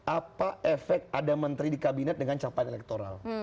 apa efek ada menteri di kabinet dengan capaian elektoral